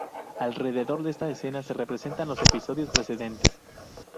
Alrededor de esta escena se representan los episodios precedentes.